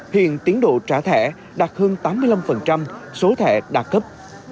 hiện tiến độ trả thẻ đạt hơn tám mươi năm số thẻ đạt cấp